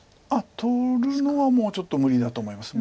取るのはもうちょっと無理だと思います。